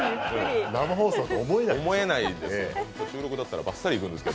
生放送とは思えないでしょ。